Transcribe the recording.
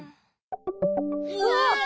☎うわ！